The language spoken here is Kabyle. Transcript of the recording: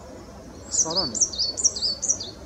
Xeṣṛen.